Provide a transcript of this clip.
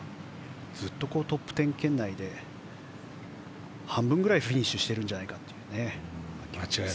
ずっとトップ１０圏内で半分くらいフィニッシュをしてるんじゃないかって。